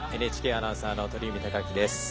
ＮＨＫアナウンサーの鳥海貴樹です。